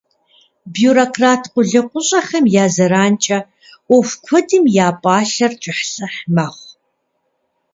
Бюрократ къулыкъущӏэхэм я зэранкӏэ ӏуэху куэдым я пӏалъэр кӏыхьлӏыхь мэхъу.